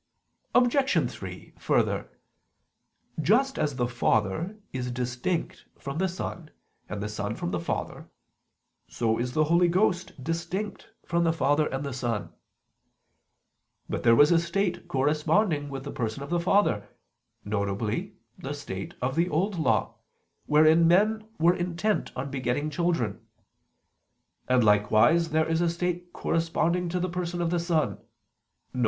Obj. 3: Further, just as the Father is distinct from the Son and the Son from the Father, so is the Holy Ghost distinct from the Father and the Son. But there was a state corresponding with the Person of the Father, viz. the state of the Old Law, wherein men were intent on begetting children: and likewise there is a state corresponding to the Person of the Son: viz.